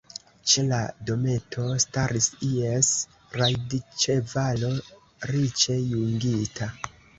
Ĉe la dometo staris ies rajdĉevalo, riĉe jungita.